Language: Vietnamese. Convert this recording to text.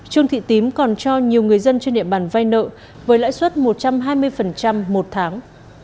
trương thị tím còn cho nhiều người dân trên địa bàn vay nợ với lãi suất một trăm hai mươi một tháng